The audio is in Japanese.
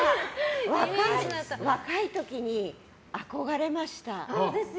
若い時に憧れました。